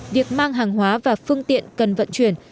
việc mang hàng hóa và phương tiện cần vận chuyển